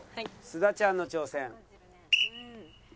須田ちゃんの挑戦。